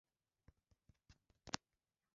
Vitamini E na vitamini K ni vitamini za kiazi lishe